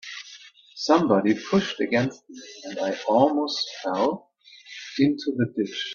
Somebody pushed against me, and I almost fell into the ditch.